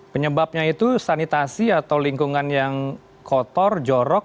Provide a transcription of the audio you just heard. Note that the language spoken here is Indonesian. penyebabnya itu sanitasi atau lingkungan yang kotor jorok